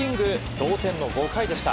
同点の５回でした。